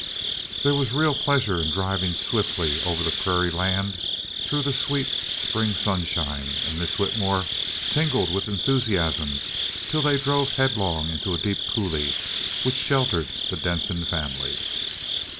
There was real pleasure in driving swiftly over the prairie land, through the sweet, spring sunshine, and Miss Whitmore tingled with enthusiasm till they drove headlong into a deep coulee which sheltered the Denson family.